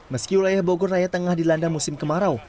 meski wilayah bogor raya tengah dilanda musim kemarau